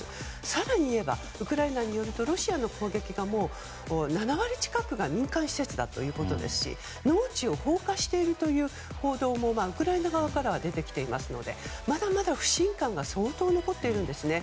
更に言うと、ウクライナによるとロシアの攻撃が７割近くが民間施設だということですし農地を放火しているという報道がウクライナ側からも出てきていますのでまだまだ不信感が相当に残っているんですね。